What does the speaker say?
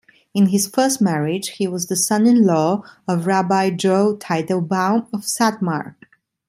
In his first marriage, he was the son-in-law of Rabbi Joel Teitelbaum of Satmar.